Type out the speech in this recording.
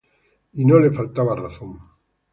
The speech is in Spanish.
Y no le faltaba razón.